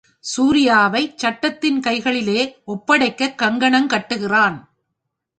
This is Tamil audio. சூரியாவைச் சட்டத்தின் கைகளிலே ஒப்படைக்கக் கங்கணம் கட்டுகிறான்.